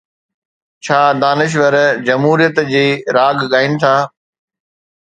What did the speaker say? ڇا دانشور جمهوريت جي راڳ ڳائين ٿا؟